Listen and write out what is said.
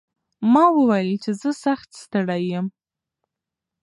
ما وویل چې زه سخت ستړی یم.